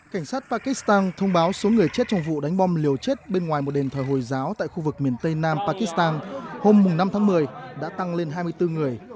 cảnh sát pakistan thông báo số người chết trong vụ đánh bom liều chết bên ngoài một đền thờ hồi giáo tại khu vực miền tây nam pakistan hôm năm tháng một mươi đã tăng lên hai mươi bốn người